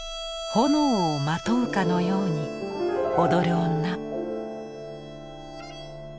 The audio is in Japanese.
炎をまとうかのように踊る女。